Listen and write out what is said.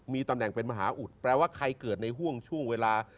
มีตำแหน่งเป็นมหาอุดแปลว่าใครเกิดในห่วงช่วงเวลา